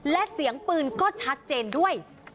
และเสียงปืนก็ชัดเจนด้วย